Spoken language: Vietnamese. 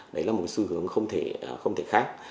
đấy là một sư hướng không thể khác